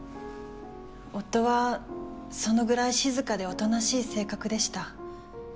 夫はそのぐらい静かでおとなしい性格でした。